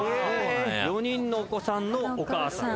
４人のお子さんのお母さん。